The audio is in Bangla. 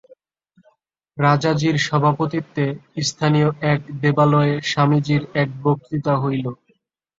রাজাজীর সভাপতিত্বে স্থানীয় এক দেবালয়ে স্বামীজীর এক বক্তৃতা হইল।